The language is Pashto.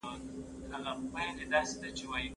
خبري د تاوتریخوالي ځای نیسي.